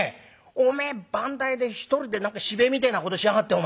おめえ番台で一人で何か芝居みてえなことしやがって。